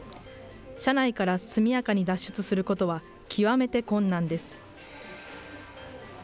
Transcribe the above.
車内から速やかに脱出することは極めて困難です。